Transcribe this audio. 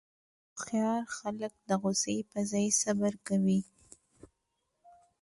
هوښیار خلک د غوسې پر ځای صبر کوي.